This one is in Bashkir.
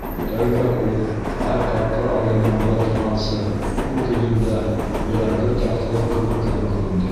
Тәүҙә ул, ай ҡалҡыр алдынан була торғанса, күк йөҙөндә бөләңгерт яҡтылыҡ кеүек кенә күренде.